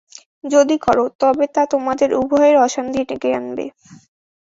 যদি কর, তবে তা তোমাদের উভয়ের অশান্তি ডেকে আনবে।